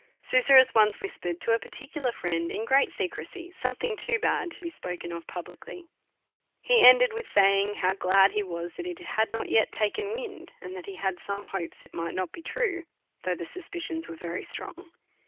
Susurrus once whispered to a particular friend in great secrecy, something too bad to be spoke of pub licly. He ended with saying, how glad he was, that it had not yet took wind, and that he had some hopes it might not be true, though the suspicions were strong.